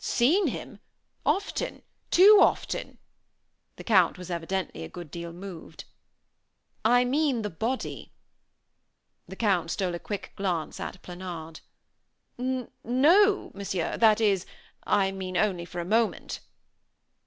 "Seen him? Often, too often." The Count was evidently a good deal moved. "I mean the body?" The Count stole a quick glance at Planard. "N no, Monsieur that is, I mean only for a moment."